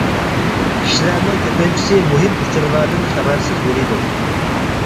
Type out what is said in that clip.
كىشىلەرنىڭ كۆپىنچىسى مۇھىم ئۇچۇرلاردىن خەۋەرسىز يۈرىدۇ.